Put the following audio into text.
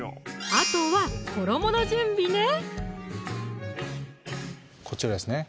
あとは衣の準備ねこちらですね